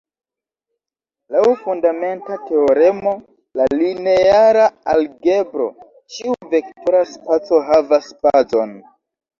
Laŭ fundamenta teoremo de lineara algebro, ĉiu vektora spaco havas bazon.